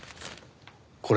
これ。